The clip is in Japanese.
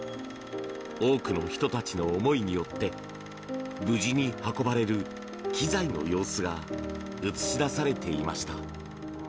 多くの人たちの思いによって無事に運ばれる機材の様子が映し出されていました。